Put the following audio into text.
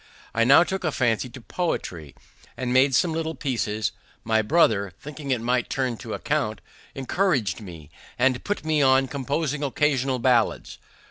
I now took a fancy to poetry, and made some little pieces; my brother, thinking it might turn to account, encouraged me, and put me on composing occasional ballads.